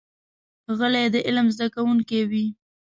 غلی، د علم زده کوونکی وي.